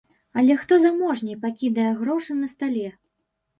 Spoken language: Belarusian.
Але хто заможней, пакідае грошы на стале.